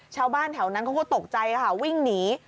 ชาวบ้านแถวนั้นเขาก็ตกใจค่ะวิ่งหนี